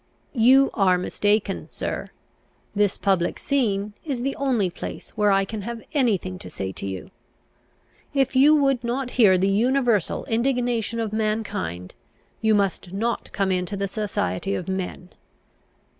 "You are mistaken, sir. This public scene is the only place where I can have any thing to say to you. If you would not hear the universal indignation of mankind, you must not come into the society of men.